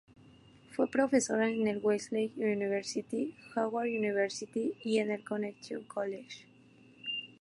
Fue profesora en la Wellesley University, Howard University y en el Connecticut College.